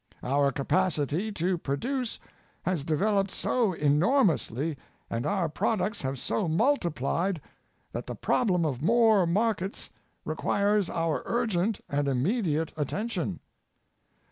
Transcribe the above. Our capacity to produce has developed so enormously and our products have so multiplied that the problem of more markets requires our urgent and immediate attention.